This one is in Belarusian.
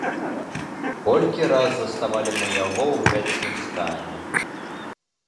Колькі раз заставалі мы яго ў гэткім стане.